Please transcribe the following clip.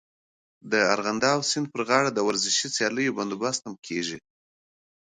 د ارغنداب سیند پر غاړه د ورزشي سیالیو بندوبست هم کيږي.